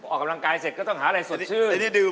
ออกกำลังกายเสร็จก็ต้องหาอะไรสดชื่น